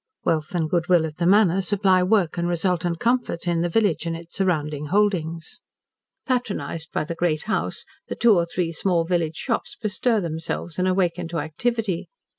Wealth and good will at the Manor supply work and resultant comfort in the village and its surrounding holdings. Patronised by the Great House the two or three small village shops bestir themselves and awaken to activity.